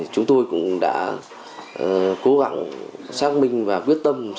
chúng tôi cũng đã cố gắng xác minh và quyết tâm